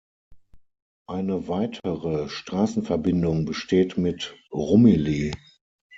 Eine weitere Straßenverbindung besteht mit Rumilly.